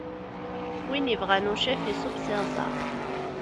Win ibɣan ucaf, iṣubb s iɣzeṛ!